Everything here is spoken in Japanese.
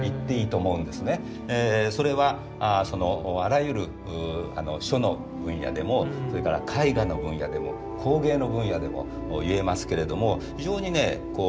それはあらゆる書の分野でもそれから絵画の分野でも工芸の分野でもいえますけれども非常にねこうバランスがいい。